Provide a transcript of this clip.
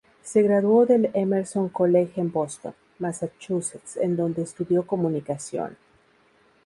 Se graduó del Emerson College en Boston, Massachusetts en dónde estudió Comunicación.